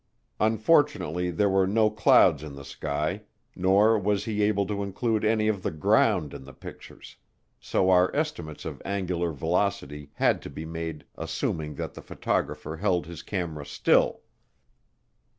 Unfortunately there were no clouds in the sky, nor was he able to include any of the ground in the pictures, so our estimates of angular velocity had to be made assuming that the photographer held his camera still.